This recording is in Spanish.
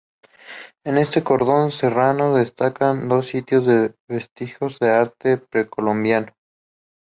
En este cordón serrano destacan dos sitios con vestigios de arte precolombino.